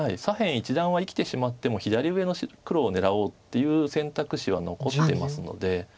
左辺一団は生きてしまっても左上の黒を狙おうという選択肢は残ってますので。